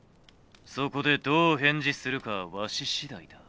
「そこでどう返事するかはわし次第だ」。